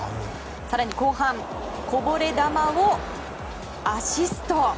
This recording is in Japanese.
更に後半こぼれ球をアシスト。